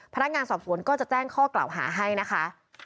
พนักงานสอบสวนก็จะแจ้งข้อกล่าวหาให้นะคะ